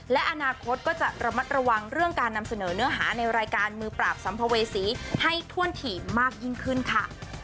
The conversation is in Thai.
และอนาคตก็จะระมัดระวังเรื่องการนำเสนอเนื้อหาในรายการมือปราบสัมภเวษีให้ถ้วนถี่มากยิ่งขึ้นค่ะ